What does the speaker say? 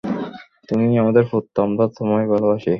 তুমি আমাদের পুত্র, আমরা তোমায় ভালোবাসি।